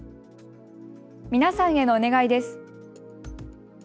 皆さんへのお願いです。